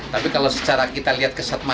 tapi kalau secara kita lihat keseluruhan